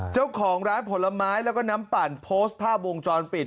เจ้าของร้านผลไม้แล้วก็น้ำปั่นโพสต์ภาพวงจรปิด